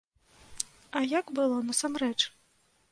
А як было насамрэч?